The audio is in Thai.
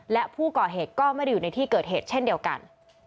และผู้ก่อเหตุก็ไม่ได้อยู่ในที่เกิดเหตุเช่นเดียวกัน